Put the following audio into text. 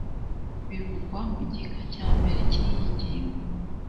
bivugwa mu gika cya mbere cy’iyi ngingo